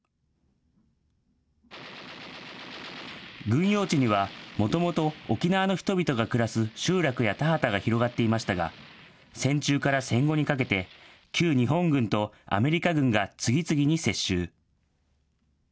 軍用地には、もともと沖縄の人々が暮らす集落や田畑が広がっていましたが、戦中から戦後にかけて、旧日本軍とアメリカ軍が次々に接収。